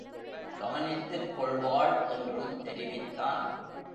கவனித்துக் கொள்வாள் என்றும் தெரிவித்தான்.